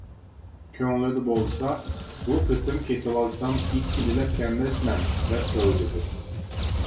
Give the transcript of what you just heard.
كۆڭلىدە بولسا «بۇ قېتىم كېتىۋالسام ئىككىنچىلەپ كەلمەسمەن» دەپ ئويلىدى.